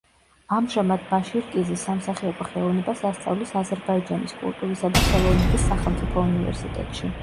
ამჟამად ბაშირკიზი სამსახიობო ხელოვნებას ასწავლის აზერბაიჯანის კულტურისა და ხელოვნების სახელმწიფო უნივერსიტეტში.